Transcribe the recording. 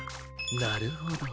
なるほど。